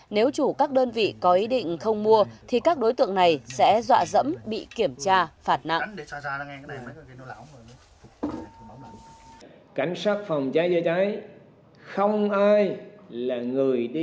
nếu chủ các đơn vị có ý định không mua thì các đối tượng này sẽ dọa dẫm bị kiểm tra phạt nặng